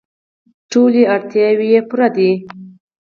ټولې اړتیاوې یې پوره دي.